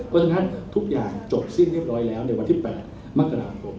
เพราะฉะนั้นทุกอย่างจบสิ้นเรียบร้อยแล้วในวันที่๘มกราคม